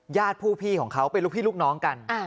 ญาติผู้พี่ของเขาเป็นลูกพี่ลูกน้องกัน